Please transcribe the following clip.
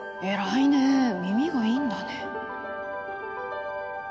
偉いねえ耳がいいんだね